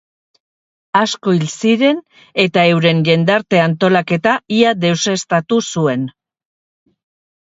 Asko hil ziren eta euren jendarte-antolaketa ia deuseztatu zuen.